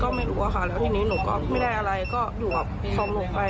ก็ไม่รู้อะค่ะแล้วทีนี้หนูก็ไม่ได้อะไรก็อยู่กับของหนูไป